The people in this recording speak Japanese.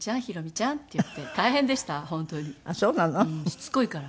しつこいから。